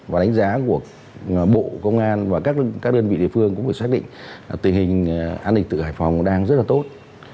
và đánh giá của bộ công an và các đơn vị địa phương cũng phải xác định tình hình an ninh tự hải phòng đang rất là tốt